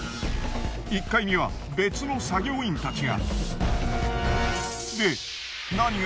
１階には別の作業員たちが。